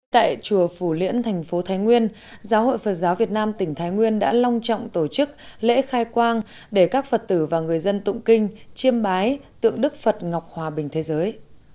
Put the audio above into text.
tại chùa phủ liễn thành phố thái nguyên giáo hội phật giáo việt nam tỉnh thái nguyên đã long trọng tổ chức lễ khai quang để các phật tử và người dân tụng kinh chiêm bái tượng đức phật ngọc hòa bình thế giới